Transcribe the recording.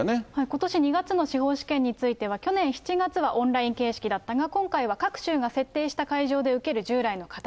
ことし２月の司法試験については、去年７月はオンライン形式だったが、今回は各州が設定した会場で受ける従来の形。